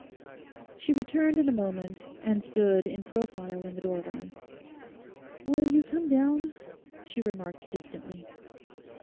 She returned in a moment, and stood in profile in the doorway. 'Will you come down?' she remarked distantly.